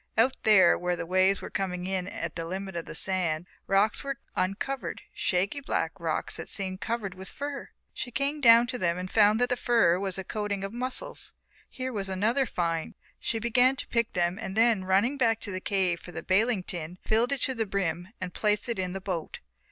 Out there where the waves were coming in and at the limit of the sands rocks were uncovered, shaggy, black rocks that seemed covered with fur. She came down to them and found that the fur was a coating of mussels. Here was another find. She began to pick them and then, running back to the cave for the baling tin, filled it to the brim, and placed it in the boat.